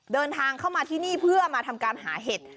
เดินทางเข้ามาที่นี่เพื่อมาทำการหาเห็ด